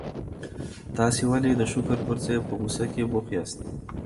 تاسي ولي د شکر پر ځای په غوسه کي بوخت یاست؟